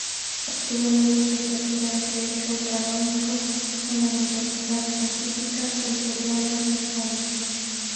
Obtuvo la Licenciatura en Derecho Canónico en la Universidad pontificia Gregoriana de Roma.